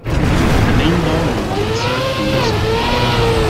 The main ballroom can serve food as well.